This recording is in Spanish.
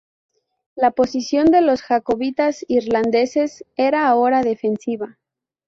La posición de los jacobitas irlandeses era ahora defensiva.